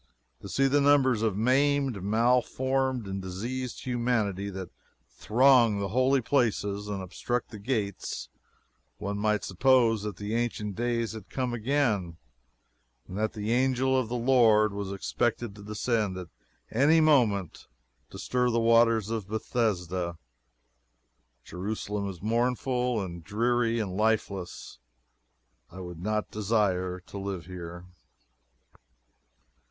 To see the numbers of maimed, malformed and diseased humanity that throng the holy places and obstruct the gates, one might suppose that the ancient days had come again, and that the angel of the Lord was expected to descend at any moment to stir the waters of Bethesda. Jerusalem is mournful, and dreary, and lifeless. I would not desire to live here.